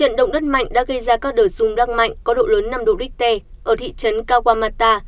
trận động đất mạnh đã gây ra các đợt rung đoan mạnh có độ lớn năm độ richter ở thị trấn kawamata